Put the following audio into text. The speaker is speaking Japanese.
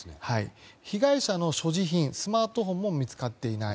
被害者の所持品スマートフォンも見つかっていない。